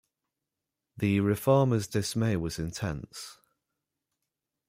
The Reformers' dismay was intense.